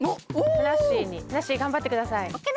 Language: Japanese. ふなっしー頑張ってください。